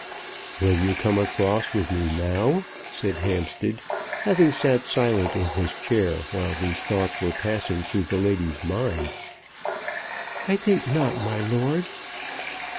"Will you come across with me now?" said Hampstead, having sat silent in his chair while these thoughts were passing through the lady's mind. "I think not, my lord."